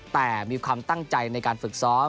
แต่มีความตั้งใจในการฝึกซ้อม